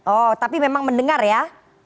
oh tapi memang mendengar ya